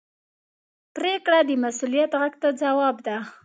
پرېکړه د مسؤلیت غږ ته ځواب ده.